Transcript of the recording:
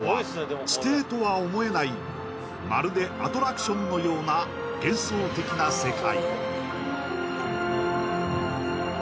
そこに広がっていたのは地底とは思えないまるでアトラクションのような幻想的な世界。